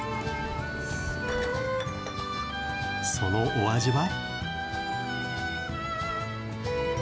そのお味は？